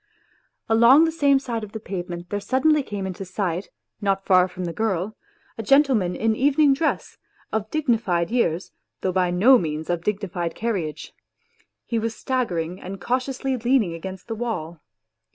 Along the same side of the pavement there suddenly came into sight, not far from the girl, a gentleman in evening dress, of dignified years, though by no means of dignified carriage ; he was staggering and cautiously leaning against the wall.